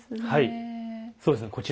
はいそうですね。